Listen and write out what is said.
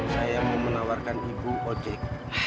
saya mau menawarkan ibu ojek